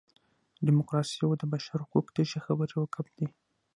ډیموکراسي او د بشر حقوق تشې خبرې او ګپ دي.